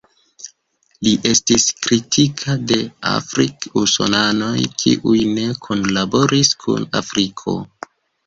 Li estis kritika de afrik-usonanoj kiuj ne kunlaboris kun Afriko.